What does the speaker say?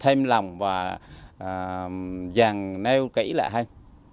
thêm lòng và dàn neo kỹ là hay